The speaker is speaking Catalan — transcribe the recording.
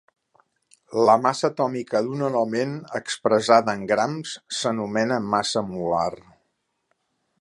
La massa atòmica d'un element expressada en grams s'anomena massa molar.